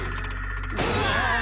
うわ！